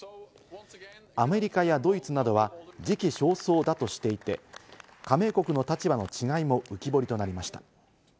アメリカやドイツなどは時期尚早だとしていて、加盟国の立場の違いも浮き彫りとなりました。